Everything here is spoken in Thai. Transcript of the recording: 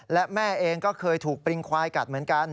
และแม่เองก็เคยถูกปริงควายกัดเหมือนกัน